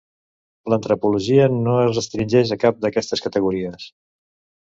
L'antropologia no es restringeix a cap d'aquestes categories.